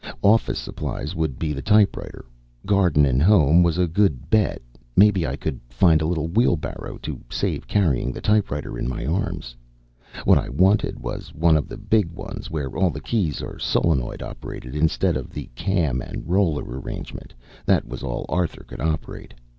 Office Supplies would be the typewriter. Garden & Home was a good bet maybe I could find a little wheelbarrow to save carrying the typewriter in my arms. What I wanted was one of the big ones where all the keys are solenoid operated instead of the cam and roller arrangement that was all Arthur could operate.